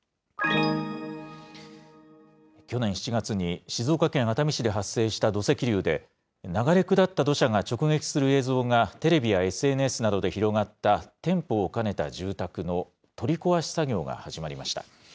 去年７月に、静岡県熱海市で発生した土石流で、流れ下った土砂が直撃する映像がテレビやＳＮＳなどで広がった店舗を兼ねた住宅の取り壊し作業が始まりました。